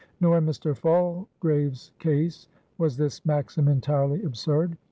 Nor in Mr. Falsgrave's case was this maxim entirely absurd.